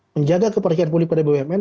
menjaga kepercayaan publik pada bumn